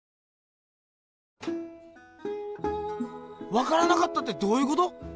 わからなかったってどういうこと？